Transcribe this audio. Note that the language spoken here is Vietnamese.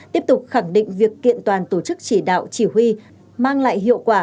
tiếp tục khẳng định việc kiện toàn tổ chức chỉ đạo chỉ huy mang lại hiệu quả